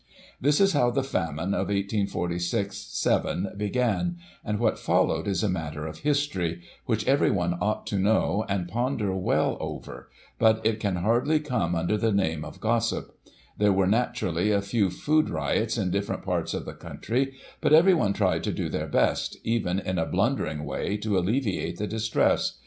*" This is how the Famine of 1846 7 began, and what followed is a matter of history, which everyone ought to know, and Digiti ized by Google 1846] WELLINGTON STATUE. 299 ponder well over, but it can hardly come under the name of Gossip. There were, naturally, a few food riots in different parts of the country, but everyone tried to do their best, even in a blundering way, to alleviate the distress.